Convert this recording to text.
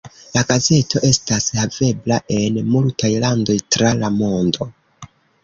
La gazeto estas havebla en multaj landoj tra la mondo.